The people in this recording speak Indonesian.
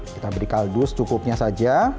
kita beri kaldu secukupnya saja